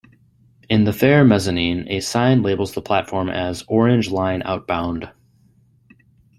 In the fare mezzanine, a sign labels the platform as "Orange Line outbound".